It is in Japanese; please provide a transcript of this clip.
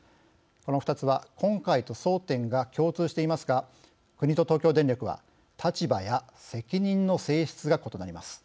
この２つは今回と争点が共通していますが国と東京電力は立場や責任の性質が異なります。